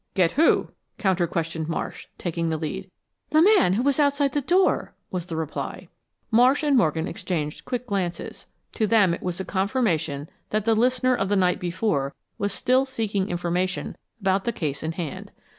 "Get who?" counter questioned Marsh, taking the lead. "The man who was outside the door," was the reply. Marsh and Morgan exchanged quick glances. To them it was a confirmation that the listener of the night before was still seeking information about the case in hand.